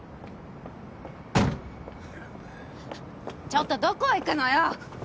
ちょっとどこ行くのよ！